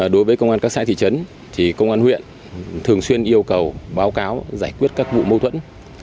đối với công an các xã thị trấn thì công an huyện thường xuyên yêu cầu báo cáo giải quyết các vụ mâu thuẫn